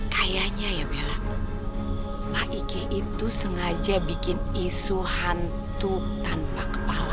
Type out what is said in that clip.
kayaknya ya bella pak ike itu sengaja bikin isu hantu tanpa kepala